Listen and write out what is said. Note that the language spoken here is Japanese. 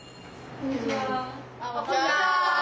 こんにちは。